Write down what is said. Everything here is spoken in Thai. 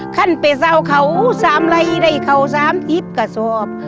ขั้นไปเศร้าเขาสามไรได้เขาสามอีกกระสอบ